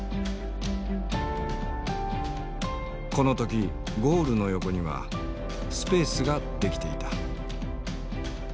この時ゴールの横にはスペースができていた。